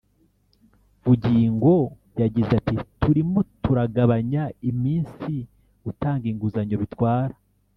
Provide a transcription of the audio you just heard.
Bugingo yagize ati “Turimo turagabanya iminsi gutanga inguzanyo bitwara